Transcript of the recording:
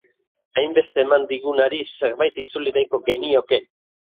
Hainbeste eman digunari, zerbait itzuli nahiko genioke.